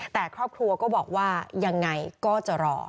แต่ครอบครัวก็บอกว่ายังไงก็จะรอ